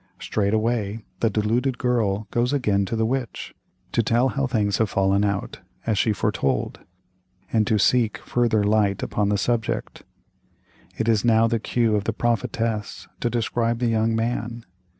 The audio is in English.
Straightway the deluded girl goes again to the witch, to tell how things have fallen out, as she foretold, and to seek further light upon the subject. It is now the cue of the prophetess to describe the young man.